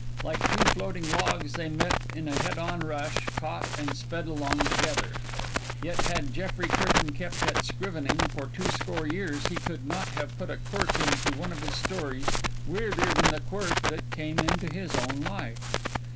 Like two floating logs they met in a head on rush, caught, and sped along together. Yet had Jeffrey Curtain kept at scrivening for twoscore years he could not have put a quirk into one of his stories weirder than the quirk that came into his own life.